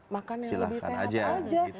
makan yang lebih sehat aja